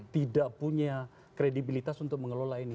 tidak punya kredibilitas untuk mengelola ini